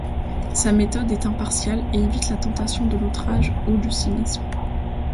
Sa méthode est impartiale et évite la tentation de l'outrage ou du cynisme.